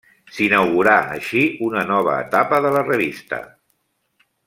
S'inaugurà així una nova etapa de la revista.